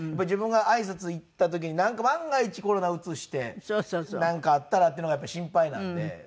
自分が挨拶行った時になんか万が一コロナうつしてなんかあったらっていうのがやっぱり心配なんで。